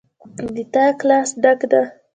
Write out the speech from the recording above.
د تا ګلاس ډک ده